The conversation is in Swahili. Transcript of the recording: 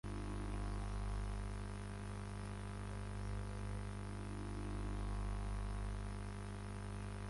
Kwa matumizi kwenye ndege kuna vipimo sanifu vidogo zaidi.